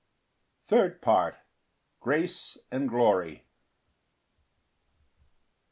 Third Part. Grace and glory.